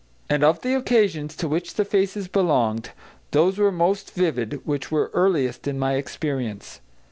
And of the occasions to which the faces belonged, those were most vivid which were earliest in my experience.